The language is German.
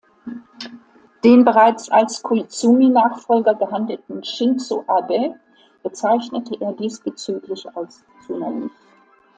Den bereits als Koizumi-Nachfolger gehandelten Shinzō Abe bezeichnete er diesbezüglich als „zu naiv“.